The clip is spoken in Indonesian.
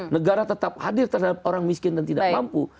negara tetap hadir terhadap orang miskin dan tidak mampu